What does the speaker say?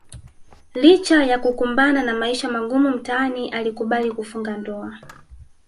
Licha ya kukumbana na maisha magumu mtaani alikubali kufunga ndoa